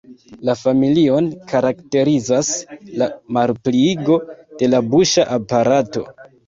La familion karakterizas la malpliigo de la buŝa aparato.